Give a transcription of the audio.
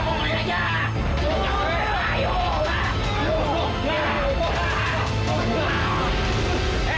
ngomong udah panggil aja